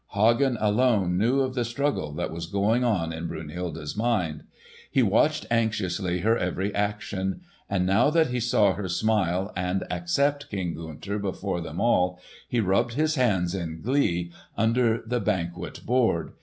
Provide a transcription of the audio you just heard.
Hagen alone knew of the struggle that was going on in Brunhilde's mind. He watched anxiously her every action; and now that he saw her smile and accept King Gunther before them all, he rubbed his hands in glee, under the banquet board.